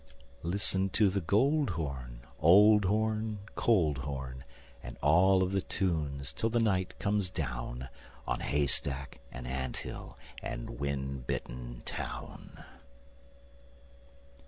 Listen to the gold horn... Old horn... Cold horn... And all of the tunes, till the night comes down On hay stack, and ant hill, and wind bitten town.